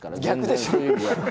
逆でしょう。